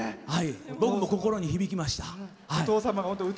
僕も心に響きました。